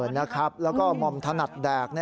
เออนะครับแล้วก็มอมถนัดแดก